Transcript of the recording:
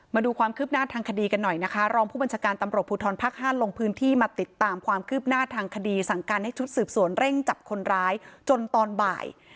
มาดูความคืบหน้าทางคดีกันหน่อยนะคะรองผู้บัญชาการตำรวจภูทรภาค๕ลงพื้นที่มาติดตามความคืบหน้าทางคดีสั่งการให้ชุดสืบสวนเร่งจับคนร้ายจนตอนบ่าย